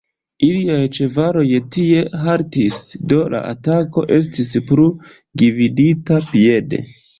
Iliaj ĉevaloj tie haltis, do la atako estis plu gvidita piede.